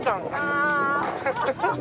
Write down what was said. あ。